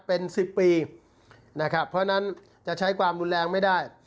เป็น๑๐ปีนะครับเพราะฉะนั้นจะใช้ความรุนแรงไม่ได้